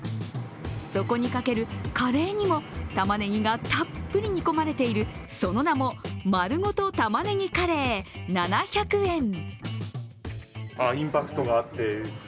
そこにかけるカレーにもたまねぎがたっぷり煮込まれている、その名も、丸ごと玉ねぎカレー７００円。